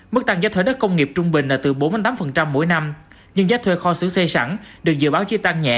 mức tăng giá thuê đất công nghiệp trung bình là từ bốn mươi tám mỗi năm nhưng giá thuê kho xứ xây sẵn được dự báo chỉ tăng nhẹ